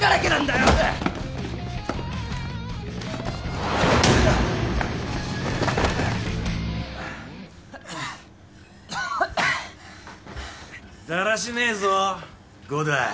だらしねえぞ伍代。